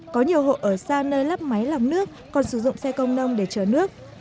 có nhiều hộ ở xa nơi lắp máy làm nước còn sử dụng xe công nông để chở nước